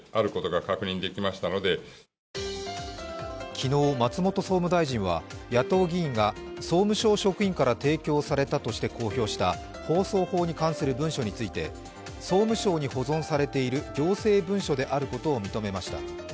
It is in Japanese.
昨日、松本総務大臣は、野党議員が総務省職員から提供されたとして公表した、放送法に関する文書について総務省に保存されている行政文書であることを認めました。